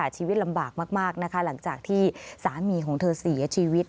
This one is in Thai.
ชีวิตลำบากมากนะคะหลังจากที่สามีของเธอเสียชีวิต